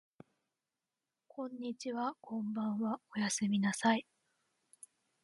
こんにちはこんばんはおやすみなさい